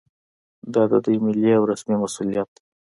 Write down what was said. دا د دوی ملي او رسمي مسوولیت دی